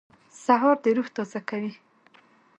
سهار د روح تازه کوي.